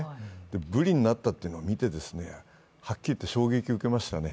ブリになったというのを見て、はっきり言って衝撃を受けましたね。